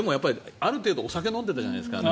ある程度お酒を飲んでいたじゃないですか。